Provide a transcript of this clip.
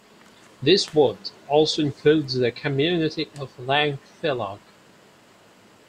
This ward also includes the community of Llanfaelog.